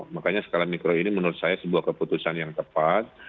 makanya skala mikro ini menurut saya sebuah keputusan yang tepat